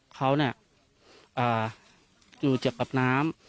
อ๋อเขาอยู่เจ็บกับน้ำ